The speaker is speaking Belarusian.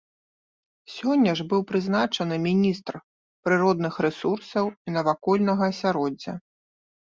Сёння ж быў прызначаны міністр прыродных рэсурсаў і навакольнага асяроддзя.